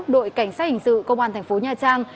đội cảnh sát hình sự công an thành phố nha trang